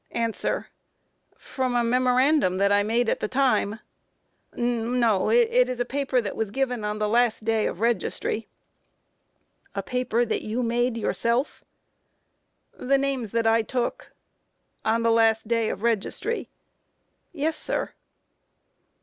A. From a memorandum I made at the time No, it is a paper that was given on the last day of registry. Q. A paper that you made yourself? A. The names that I took. Q. On the last day of registry? A. Yes, sir.